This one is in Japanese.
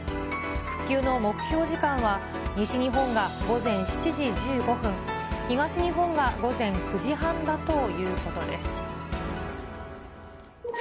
復旧の目標時間は、西日本が午前７時１５分、東日本が午前９時半だということです。